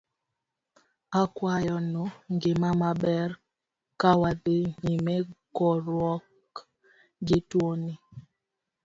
Akwayonu ngima maber, kawadhi nyime goruok gi tuoni.